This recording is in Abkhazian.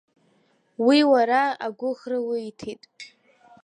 Уи уара агәыӷра уиҭеит.